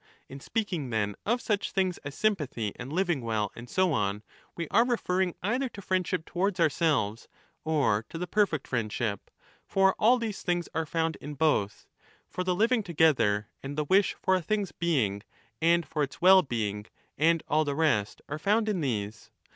In speaking then of such things as sympathy and living well and so on we are referring either to friendship towards ourselves or to the perfect friendship. For all these things are found in both. For the living together and the wish for a thing's being and for its well 6 being and all the rest are found in these.